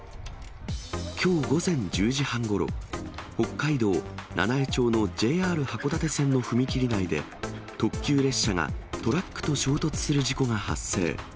きょう午前１０時半ごろ、北海道七飯町のＪＲ函館線の踏切内で、特急列車がトラックと衝突する事故が発生。